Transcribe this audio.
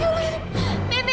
ya allah nenek